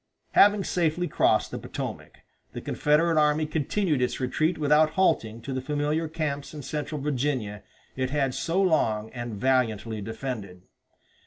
Having safely crossed the Potomac, the Confederate army continued its retreat without halting to the familiar camps in central Virginia it had so long and valiantly defended.